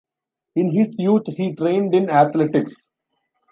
In his youth, he trained in athletics.